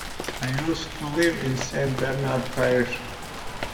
I used to live in Saint Bernard Parish.